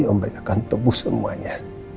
om baik akan tebus semuanya